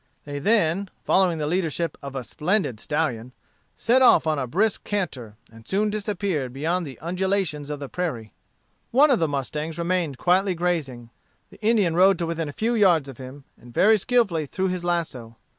They then, following the leadership of a splendid stallion, set off on a brisk canter, and soon disappeared beyond the undulations of the prairie. One of the mustangs remained quietly grazing. The Indian rode to within a few yards of him, and very skilfully threw his lasso.